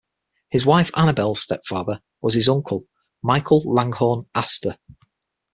His wife Annabel's stepfather was his uncle Michael Langhorne Astor.